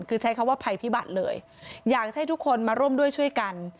คือใช้คำว่าภัยพิบัติเลยอยากให้ทุกคนมาร่วมด้วยช่วยกัน